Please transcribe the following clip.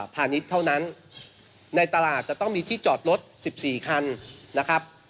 ณิชย์เท่านั้นในตลาดจะต้องมีที่จอดรถ๑๔คันนะครับ